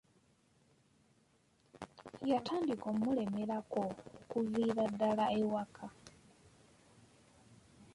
Yatandika okumulemerako okuviira ddala ewaka.